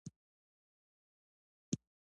د خصوصی نړیوالو حقوقو تعریف :